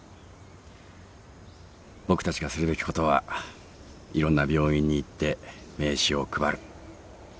僕たちがするべきことはいろんな病院に行って名刺を配る。